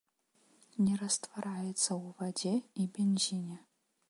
Не раствараецца ў вадзе і бензіне.